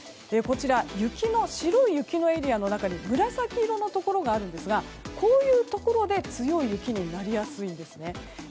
こちら、白い雪のエリアの中に紫色のところがあるんですがこういうところで強い雪になりやすいんですね。